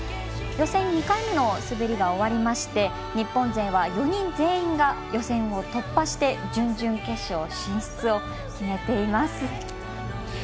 予選２回目の滑りが終わりまして日本勢は４人全員が予選を突破して準々決勝進出を決めています。